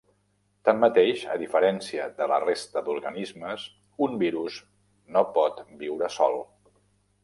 Tanmateix, a diferència de la resta d'organismes, un virus no pot viure sol.